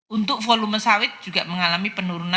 untuk volume sawit juga mengalami penurunan